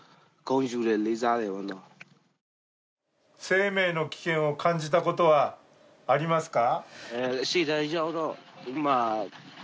生命の危険を感じたことはありますか？